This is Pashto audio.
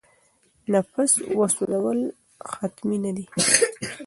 نفس وسوځول حتمي نه دي.